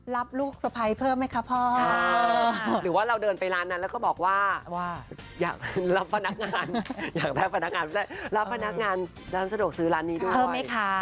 รับลูกสะพายเพิ่มมั้ยค่ะผม